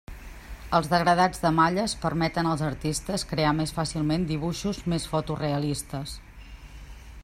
Els degradats de malles permeten als artistes crear més fàcilment dibuixos més foto realistes.